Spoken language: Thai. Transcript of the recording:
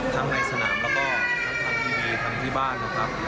ทั้งในสนามแล้วก็ทั้งทำทีวีทั้งที่บ้านนะครับ